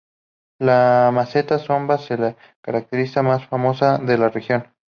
La Meseta Zomba se la característica más famosa de la región.